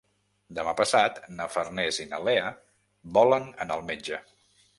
Demà passat na Farners i na Lea volen anar al metge.